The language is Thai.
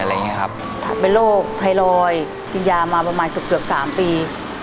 แบบเป็นโรคไทยรอยคืนยามากว่าเกือบ๓ปี